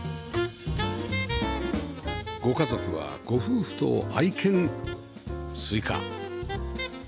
ご家族はご夫婦と愛犬すいか